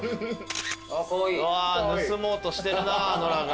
盗もうとしてるなノラが。